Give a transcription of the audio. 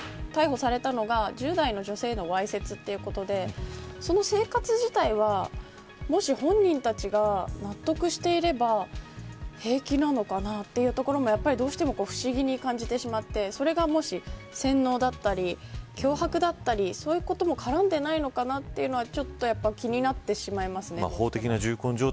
今回、逮捕されたのが１０代の女性へのわいせつということでその生活自体はもし本人たちが、納得していれば平気なのかなというところをどうしても不思議に感じてしまってそれがもし、洗脳だったり脅迫だったり、そういうことも絡んでいないのかなとちょっと気になってしまいます。